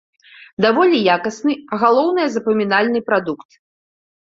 Даволі якасны, а галоўнае, запамінальны прадукт.